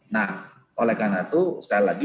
nah oleh karena itu sekali lagi